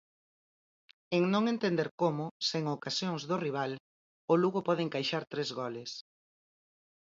En non entender como, sen ocasións do rival, o Lugo pode encaixar tres goles.